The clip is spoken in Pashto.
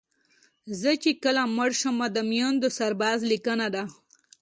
زه چې کله مړ شمه د میوند سرباز لیکنه ده